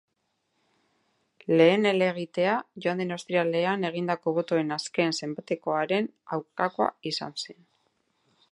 Lehen helegitea joan den ostiralean egindako botoen azken zenbaketaren aurkakoa izan zen.